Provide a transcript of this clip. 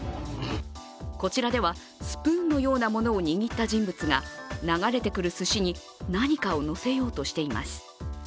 こちらでは、スプーンのようなものを握った人物が流れてくるすしに、何かをのせようとしています。